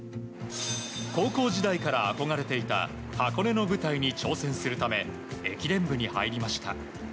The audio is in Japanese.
高校時代から憧れていた箱根の舞台に挑戦するため駅伝部に入りました。